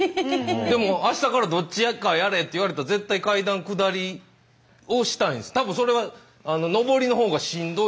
でもあしたからどっちやっかやれって言われたら絶対階段下りをしたいんです。